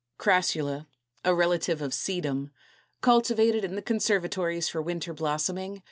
Crassula, a relative of Sedum, cultivated in the conservatories for winter blossoming (Fig.